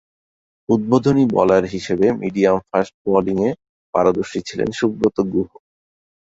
উদ্বোধনী বোলার হিসেবে মিডিয়াম-ফাস্ট বোলিংয়ে পারদর্শী ছিলেন সুব্রত গুহ।